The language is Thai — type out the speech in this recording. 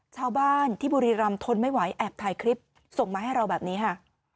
ชาวบ้านที่บุรีรำทนไม่ไหวแอบถ่ายคลิปส่งมาให้เราแบบนี้ค่ะ